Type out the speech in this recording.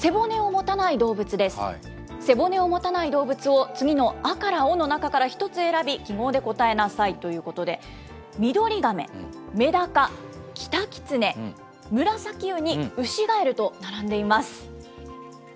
背骨を持たない動物を次のアからオの中から１つ選び、記号で答えなさいということで、ミドリガメ、メダカ、キタキツネ、ムラサキウニ、ウシガエルと並んでいます。